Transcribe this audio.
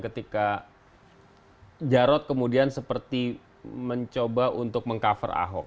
ketika jarod kemudian seperti mencoba untuk meng cover ahok